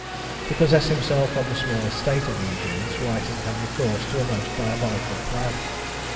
To possess himself of the small estate of these youths, Whiting had recourse to a most diabolical plan.